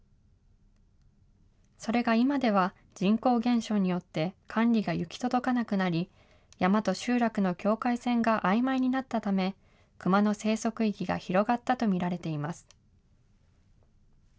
それが今では、人口減少によって管理が行き届かなくなり、山と集落の境界線があいまいになったため、クマの生息域が広がったと見られています。